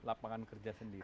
kesehatan harus jadi prioritas